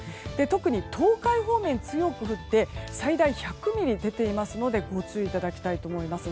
特に東海方面で強く降って最大１００ミリ出ていますのでご注意いただきたいと思います。